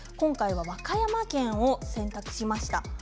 和歌山県を選択しました。